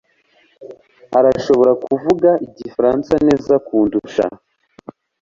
arashobora kuvuga igifaransa neza kundusha.